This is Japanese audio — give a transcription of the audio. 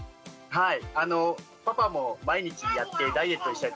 はい。